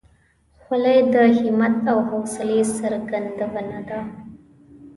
خولۍ د همت او حوصلې څرګندونه ده.